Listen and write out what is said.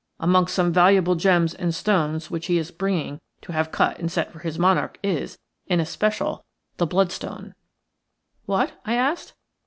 Amongst some valuable gems and stones which he is bringing to have cut and set for his monarch is, in especial, the bloodstone." "What?" I asked.